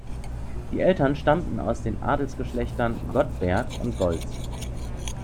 Die Eltern stammten aus den Adelsgeschlechtern Gottberg und Goltz.